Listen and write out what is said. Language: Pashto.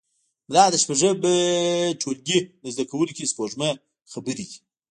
دا د شپږم ټولګي د زده کوونکې سپوږمۍ خبرې دي